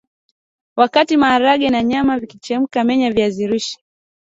Wakati maharage na nyama vikichemka menya viazi lishe